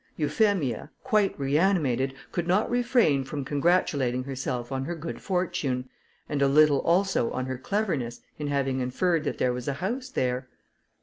Euphemia, quite reanimated, could not refrain from congratulating herself on her good fortune, and a little also on her cleverness, in having inferred that there was a house there.